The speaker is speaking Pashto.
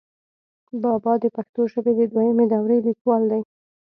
بابا دَپښتو ژبې دَدويمي دورې ليکوال دی،